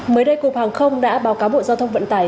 mới đây cục hàng không đã báo cáo bộ giao thông vận tải